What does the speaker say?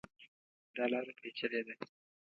دا لاره پېچلې ده.